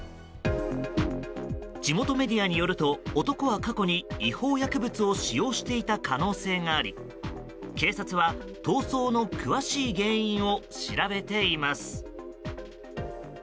地元メディアによると男は過去に違法薬物を使用していた可能性があり警察は逃走の詳しい原因を調べています。